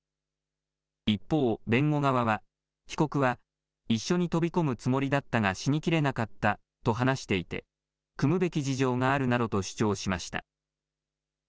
一方、弁護側は、被告は一緒に飛び込むつもりだったが死にきれなかったと話していて、酌むべき事情があるなどと主張しました。